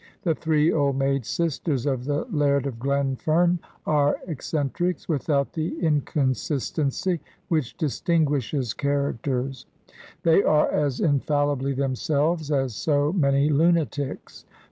The three old maid sisters of the laird of Glenf em are eccentrics, without the incon sistency which distinguishes characters; they are as infallibly themselves as so many lunatics.